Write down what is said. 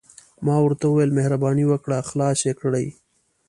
ما ورته وویل: مهرباني وکړه، خلاص يې کړئ.